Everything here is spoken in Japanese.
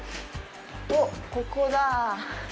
おっ、ここだ。